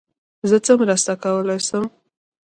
زه څه مرسته کولای سم.